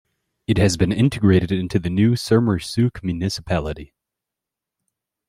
It has been integrated into the new Sermersooq municipality.